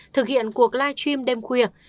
thực hiện cuộc live stream đêm khuya